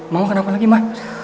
ma kenapa lagi ma